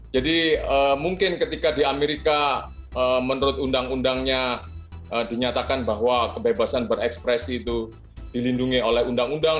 jadi mungkin ketika di amerika menurut undang undangnya dinyatakan bahwa kebebasan berekspresi itu dilindungi oleh undang undang